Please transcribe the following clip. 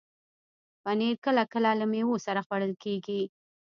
پنېر کله کله له میوو سره خوړل کېږي.